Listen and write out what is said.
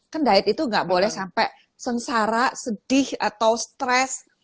kan diet itu nggak boleh sampai sengsara sedih atau stres